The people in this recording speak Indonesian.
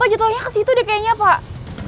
baju tolongnya ke situ deh kayaknya pak